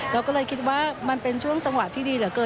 เราก็เลยคิดว่ามันเป็นช่วงจังหวะที่ดีเหลือเกิน